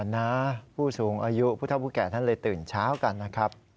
นะผู้สูงอายุผู้เท่าผู้แก่ท่านเลยตื่นเช้ากันนะครับ